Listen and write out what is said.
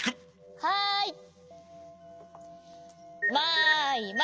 はい！